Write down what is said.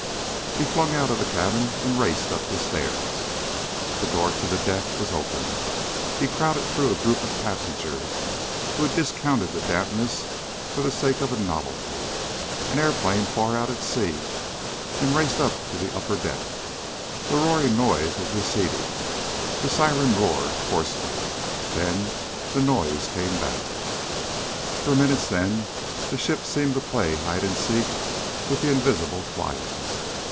He flung out of the cabin and raced up the stairs. The door to the deck was open. He crowded through a group of passengers who had discounted the dampness for the sake of a novelty an airplane far out at sea and raced up to the upper deck. The roaring noise was receding. The siren roared hoarsely. Then the noise came back. For minutes, then, the ship seemed to play hide and seek with the invisible fliers.